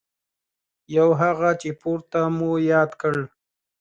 یو هغه چې پورته مو یاد کړ.